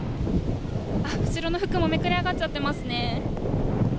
あっ、後ろの服もめくれ上がっちゃってますね。